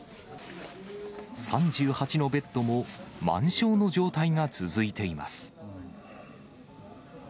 ３８のベッドも満床の状態が続いています。